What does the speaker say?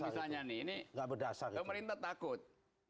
sekarang misalnya ini pemerintah takut